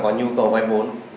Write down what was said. có nhu cầu quay bốn